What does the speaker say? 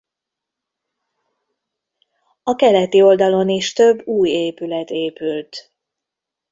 A keleti oldalon is több új épület épült.